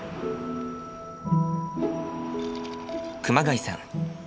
熊谷さん